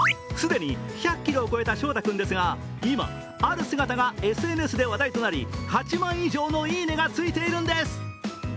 既に１００ｋｇを超えた笑大君ですが、今、ある姿がＳＮＳで話題となり８万以上のいいねがついているんです。